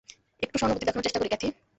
একটু সহানুভূতি দেখানোর চেষ্টা করো, ক্যাথি!